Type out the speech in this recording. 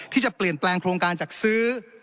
ที่จะเปลี่ยนแปลงโครงการจัดซื้อ